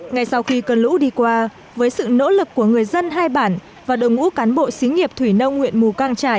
ngay sau khi cơn lũ đi qua với sự nỗ lực của người dân hai bản và đồng ngũ cán bộ xí nghiệp thủy nông huyện mù căng trải